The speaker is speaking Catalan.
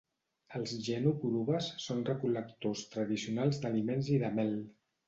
Els Jenu Kurubas són recol·lectors tradicionals d'aliments i de mel.